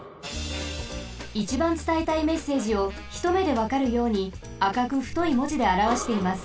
いちばんつたえたいメッセージをひとめでわかるようにあかくふといもじであらわしています。